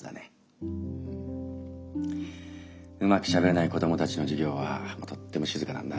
うまくしゃべれない子供たちの授業はとっても静かなんだ。